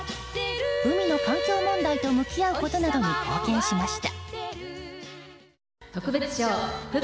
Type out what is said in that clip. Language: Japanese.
海の環境問題と向き合うことなどに貢献しました。